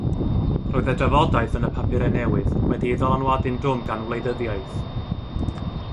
Roedd y drafodaeth yn y papurau newydd wedi ei ddylanwadu'n drwm gan wleidyddiaeth.